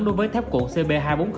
đối với thép cuộn cb hai trăm bốn mươi